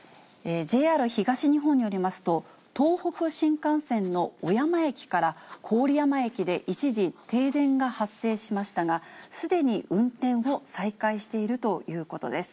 ＪＲ東日本によりますと、東北新幹線の小山駅から郡山駅で一時停電が発生しましたが、すでに運転を再開しているということです。